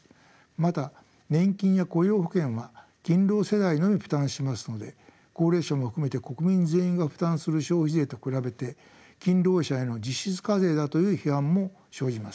また年金や雇用保険は勤労世代のみ負担しますので高齢者も含めて国民全員が負担する消費税と比べて勤労者への実質課税だという批判も生じます。